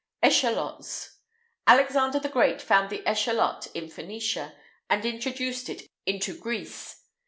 ESCHALOTS. Alexander the Great found the eschalot in Phœnicia, and introduced it into Greece.